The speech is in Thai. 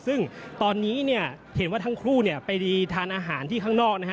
ซึ่งตอนนี้เนี่ยเห็นว่าทั้งคู่เนี่ยไปทานอาหารที่ข้างนอกนะฮะ